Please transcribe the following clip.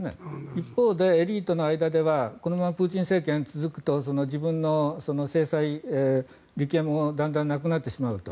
一方でエリーとの間にはこのままプーチン政権が続くと自分の制裁、利権もだんだんなくなってしまうと。